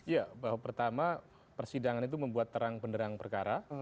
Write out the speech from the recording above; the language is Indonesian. ya bahwa pertama persidangan itu membuat terang benderang perkara